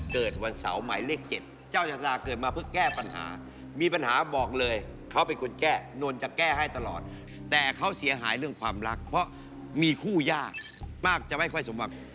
เกิดวันเสาร์หมายเลข๗เจ้าชาตราเกิดมาเพื่อแก้ปัญหามีปัญหาบอกเลยเขาเป็นคนแก้นนท์จะแก้ให้ตลอดแต่เขาเสียหายเรื่องความรักเพราะมีคู่ยากมากจะไม่ค่อยสมหวัง